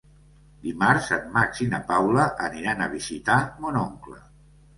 Dimarts en Max i na Paula aniran a visitar mon oncle.